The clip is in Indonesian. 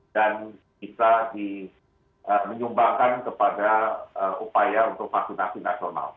dan bisa dinyumbangkan kepada upaya untuk vaksinasi nasional